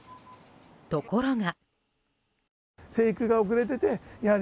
ところが。